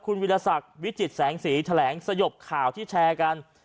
คุณวิทยาศักดิ์วิจิตแสงสีแถลงสยบข่าวที่แชร์กัน